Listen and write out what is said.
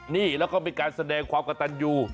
นี่แล้วก็มีการแสดงความกระตันอยู่